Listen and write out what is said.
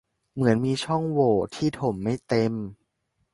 เหมือนมีช่องโหว่ที่ถมไม่เต็ม